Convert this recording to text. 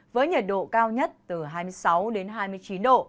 với nhiệt độ cao nhất từ hai mươi sáu đến hai mươi chín độ